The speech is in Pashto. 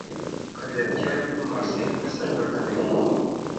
که لیلیه وي نو محصل نه سرګردانه کیږي.